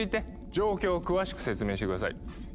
状況を詳しく説明して下さい。